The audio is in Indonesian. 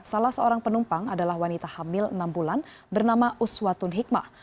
salah seorang penumpang adalah wanita hamil enam bulan bernama uswatun hikmah